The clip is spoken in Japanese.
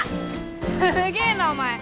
すげーなお前！